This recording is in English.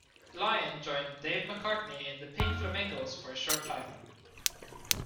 Lyon joined Dave McArtney in the Pink Flamingos for a short time.